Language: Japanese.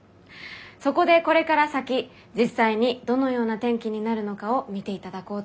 そこでこれから先実際にどのような天気になるのかを見ていただこうと。